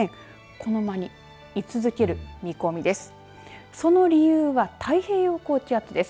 この間に居続ける見込みです。